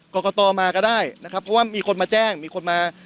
กรกตมาก็ได้นะครับเพราะว่ามีคนมาแจ้งมีคนมา